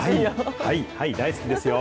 はい、大好きですよ。